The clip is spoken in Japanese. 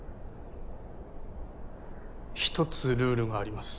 ひとつルールがあります。